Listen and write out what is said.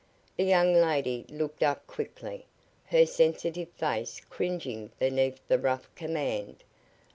The young lady looked up quickly, her sensitive face cringing beneath the rough command.